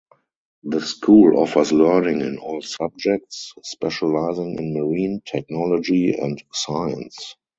The school offers learning in all subjects, specializing in marine technology and science.